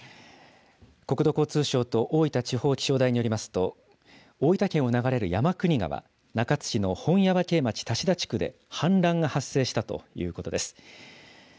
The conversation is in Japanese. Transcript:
国土交通省と大分地方気象台によりますと、大分県を流れる山国川、中津市の本耶馬溪町多志田地区で氾濫が発生したということです。